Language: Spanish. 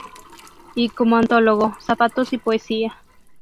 Y como antólogo, "Zapatos y Poesía.